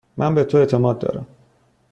من به تو اعتماد دارم.